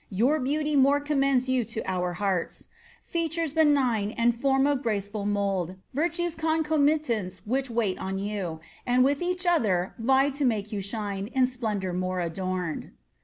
Your beauty more commends you to our hearts,— Features benign, and form of graceful mould, Virtue*s concomitants which wait on you. And with each other vie to make you shine In splendour more adorned."